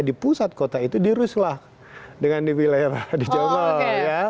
di pusat kota itu diruslah dengan di wilayah di jawa barat